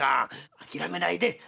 諦めないで」。